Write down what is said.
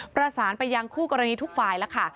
ประสานไปยังคู่กรณีทุกฝ่ายแล้วค่ะ